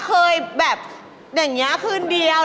เคยแบบอย่างนี้คืนเดียว